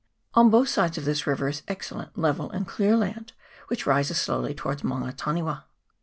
On both sides of this river is excellent level and clear land, which rises slowly towards Maunga Taniwa.